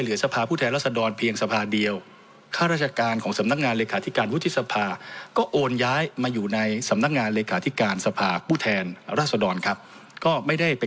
หรือสภาผู้แทนราศดรเพียงสภาเดียวข้าราชการของสำนักงานเลขาธิการวุฒิสภา